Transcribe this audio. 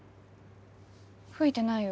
吹いてないよ。